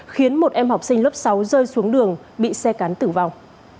khiến một em học sinh lớp sáu rơi xuống đường bị xe cắn tử vong